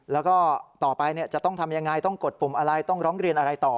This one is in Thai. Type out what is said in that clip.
แล้วก็ต่อไปจะต้องทำยังไงต้องกดปุ่มอะไรต้องร้องเรียนอะไรต่อ